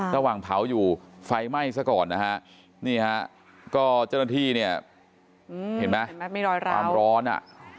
ระหว่างเผาอยู่ไฟไหม้ซะก่อนนะฮะนี่ฮะก็เจ้าหน้าที่เนี่ยเห็นไหมความร้อนอ่ะ